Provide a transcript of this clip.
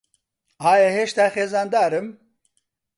ئایا هێشتا خێزاندارم؟